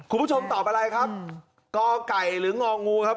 คุณผู้ชมตอบอะไรครับกไก่หรืององูครับ